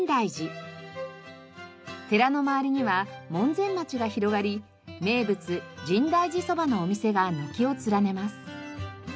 寺の周りには門前町が広がり名物深大寺そばのお店が軒を連ねます。